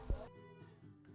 với nỗ lực quảng báo